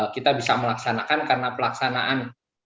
kita bisa melaksanakan karena pelaksanaan